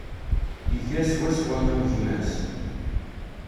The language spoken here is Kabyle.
Iga swaswa am gma-s.